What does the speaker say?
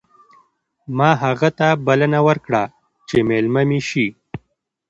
ما هغه ته بلنه ورکړه چې مېلمه مې شي